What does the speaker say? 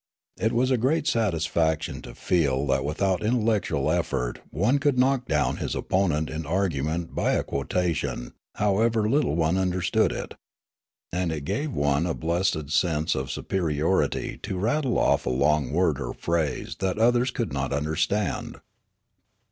It was a great satis faction to feel that without intellectual effort one could knock down his opponent in argument by a quotation, however little one understood it. And it gave one a blessed sense of superiority to rattle off" a long word or phrase that others could not understand.